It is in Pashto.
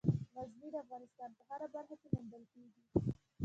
غزني د افغانستان په هره برخه کې موندل کېږي.